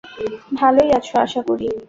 ভালোই আছো, আশা করি।